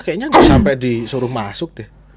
kayaknya sampai disuruh masuk deh